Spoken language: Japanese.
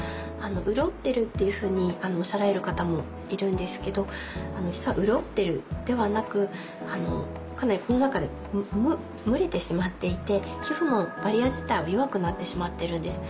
潤ってるっていうふうにおっしゃられる方もいるんですけど実は潤ってるんではなくかなりこの中で蒸れてしまっていて皮膚のバリア自体は弱くなってしまってるんです。